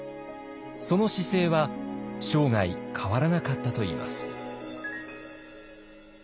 その姿勢は生涯変わらなかったといいます。